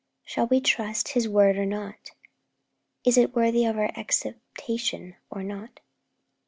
Shall we trust His word or not? Is it worthy of our acceptation or not?